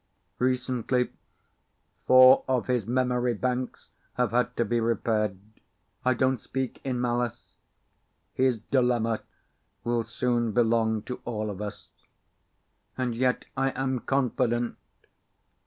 Recently four of his memory banks have had to be repaired. I don't speak in malice. His dilemma will soon belong to all of us. And yet I am confident.